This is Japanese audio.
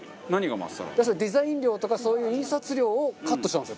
デザイン料とかそういう印刷料をカットしたんですよ